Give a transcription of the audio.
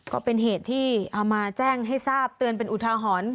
ก็เป็นเหตุที่เอามาแจ้งให้ทราบเตือนเป็นอุทาหรณ์